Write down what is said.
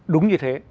đúng như thế